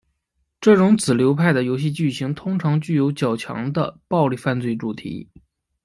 这种子流派的游戏剧情通常具有较强的暴力犯罪主题。